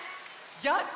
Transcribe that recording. よし！